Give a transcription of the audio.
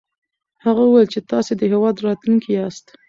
هغه وويل چې تاسې د هېواد راتلونکی ياست.